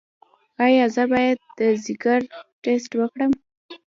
ایا زه باید د ځیګر ټسټ وکړم؟